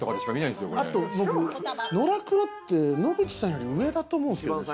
のらくろって、野口さんより上だと思うんですけど。